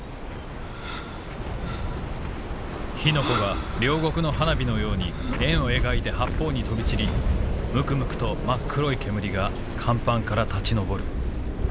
「火の粉が両国の花火のように円を描いて八方に飛び散りむくむくと真っ黒い煙が甲板から立ち上る」。